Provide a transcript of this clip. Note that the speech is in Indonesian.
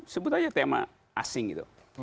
sebut aja tema asing gitu